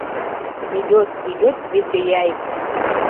Идёт, идёт весеяй.